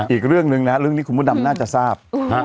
อีกเรื่องหนึ่งนะเรื่องนี้คุณพระดำน่าจะทราบ